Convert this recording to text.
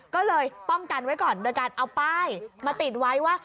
ก็เลยป้องกันไว้ก่อนโดยการเอาป้ายมาติดไว้ว่า